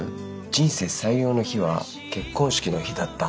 「人生最良の日は結婚式の日だった。